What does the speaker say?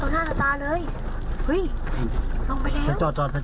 ตอนหน้าต่อตาเลยลงไปแล้ว